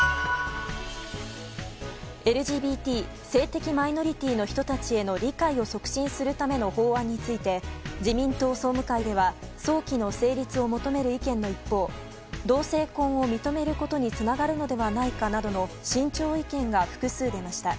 ＬＧＢＴ・性的マイノリティーの人たちへの理解を促進するための法案について自民党総務会では早期の成立を求める意見の一方同性婚を認めることにつながるのではないかなどの慎重意見が複数出ました。